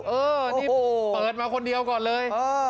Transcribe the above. เออนี่เปิดมาคนเดียวก่อนเลย